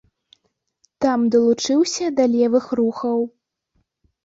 Там далучыўся да левых рухаў.